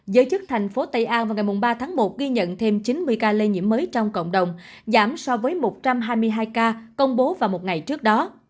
giới chức thành phố tây an vào ngày ba tháng một ghi nhận thêm chín mươi ca lây nhiễm mới trong cộng đồng giảm so với một trăm hai mươi hai ca công bố vào một ngày trước đó